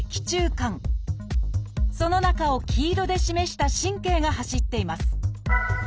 その中を黄色で示した神経が走っています。